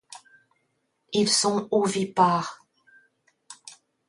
Ils sont ovipares.